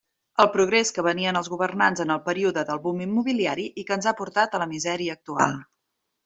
El progrés que venien els governants en el període del boom immobiliari i que ens ha portat a la misèria actual.